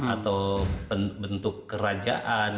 atau bentuk kerajaan